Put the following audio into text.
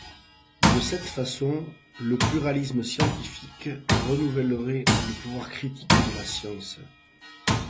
De cette façon, le pluralisme scientifique renouvellerait le pouvoir critique de la science.